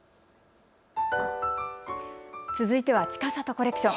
続いてはちかさとコレクション。